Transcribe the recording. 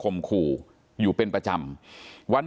ทีนี้ก็ต้องถามคนกลางหน่อยกันแล้วกัน